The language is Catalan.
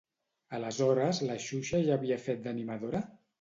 Aleshores la Xuxa ja havia fet d'animadora?